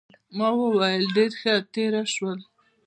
ما وویل ډېره ښه تېره شول.